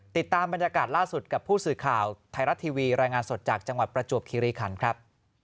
ติดตามบรรยากาศล่าสุดกับผู้สื่อข่าวไทยรัฐทีวีรายงานสดจากจังหวัดประจวบคิริขันครับ